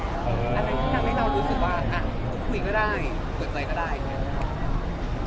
อันนั้นที่ทำให้เรารู้สึกว่าคุยก็ได้หัวใจก็ได้